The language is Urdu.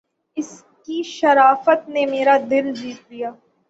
اس کی شرافت نے میرا دل جیت لیا